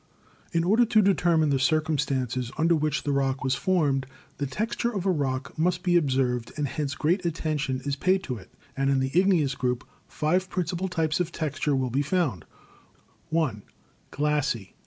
In order to determine the circumstances under which the rock was formed, the texture of a rock must be ob served, and hence great attention is paid to it; and in the igneous group five principal types of texture will be found: I. Glassy.